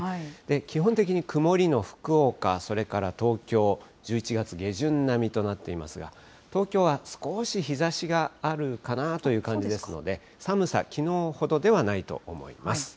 基本的に曇りの福岡、それから東京、１１月下旬並みとなっていますが、東京は少し日ざしがあるかなという感じですので、寒さ、きのうほどではないと思います。